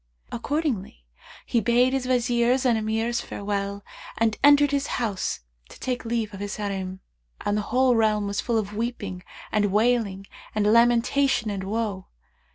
Accordingly he bade his Wazirs and Emirs farewell and entered his house to take leave of his Harim; and the whole realm was full of weeping and wailing and lamentation and woe.